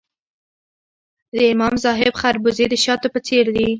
د امام صاحب خربوزې د شاتو په څیر دي.